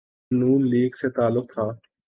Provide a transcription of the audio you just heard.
نون league سے تعلق تھا۔